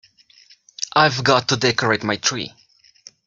I've got to decorate my tree.